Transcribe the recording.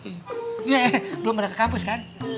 iya belum ada ke kampus kan